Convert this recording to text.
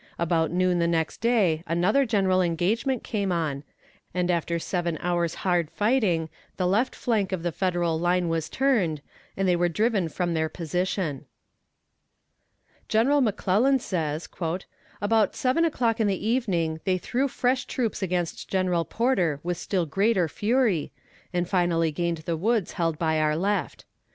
About noon the next day another general engagement came on, and after seven hours hard fighting the left flank of the Federal line was turned, and they were driven from their position. General McClellan says: "About seven o'clock in the evening they threw fresh troops against General Porter with still greater fury, and finally gained the woods held by our left.